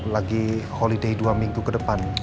lagi holiday dua minggu ke depan